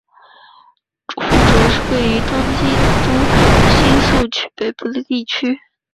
户冢是位于东京都新宿区北部的地区。